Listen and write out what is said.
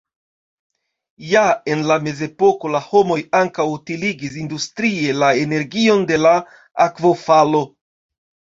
Ja en la mezepoko la homoj ankaŭ utiligis industrie la energion de la akvofalo.